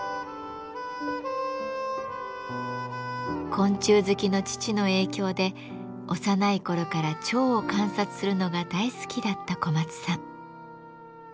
昆虫好きの父の影響で幼い頃から蝶を観察するのが大好きだった小松さん。